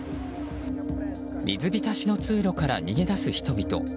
水浸しの道路から逃げ出す人々。